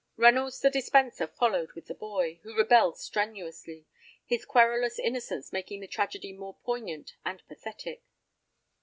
Reynolds, the dispenser, followed with the boy, who rebelled strenuously, his querulous innocence making the tragedy more poignant and pathetic.